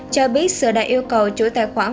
cho biết sở đã yêu cầu chủ tài khoản